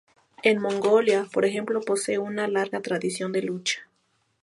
En Mongolia, por ejemplo, posee una larga tradición de lucha.